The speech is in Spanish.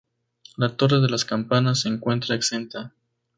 La torre de las campanas se encuentra exenta.